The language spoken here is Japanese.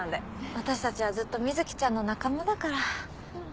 私たちはずっと水木ちゃんの仲間だから。